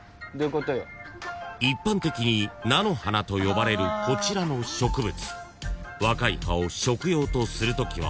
［一般的に菜の花と呼ばれるこちらの植物］